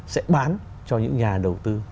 sẽ bán cho những nhà đầu tư